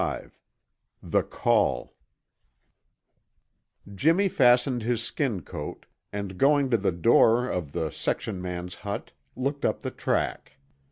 XXV THE CALL Jimmy fastened his skin coat, and going to the door of the section man's hut, looked up the track.